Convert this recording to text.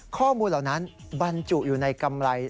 ข้อมูลเหล่านั้นบรรจุอยู่ในกำไร